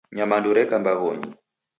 Nyamandu reka mbaghonyi